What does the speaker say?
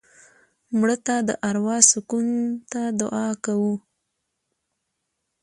مړه ته د اروا سکون ته دعا کوو